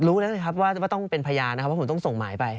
รู้แล้วนะครับว่าต้องเป็นพยานนะครับเพราะผมต้องส่งหมายไป